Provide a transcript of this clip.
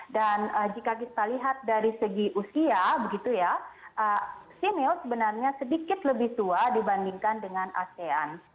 dan jika kita lihat dari segi usia simeo sebenarnya sedikit lebih tua dibandingkan dengan asean